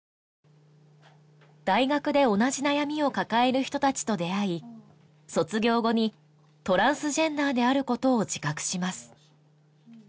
大学で同じ悩みを抱える人たちと出会い卒業後にトランスジェンダーであることを自覚します